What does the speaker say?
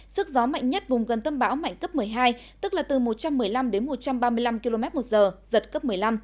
sức gió mạnh nhất vùng gần tâm bão mạnh cấp một mươi hai tức là từ một trăm một mươi năm đến một trăm ba mươi năm km một giờ giật cấp một mươi năm